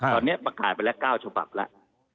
ตอนนี้ประกาศไปแล้ว๙ฉบับแล้ว